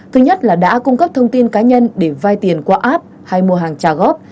thứ nhất là đã cung cấp thông tin cá nhân để vai tiền qua app hay mua hàng trả góp